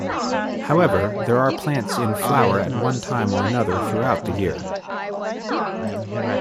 However, there are plants in flower at one time or another throughout the year.